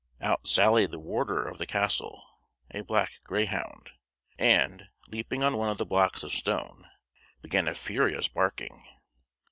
Out sallied the warder of the castle, a black greyhound, and, leaping on one of the blocks of stone, began a furious barking.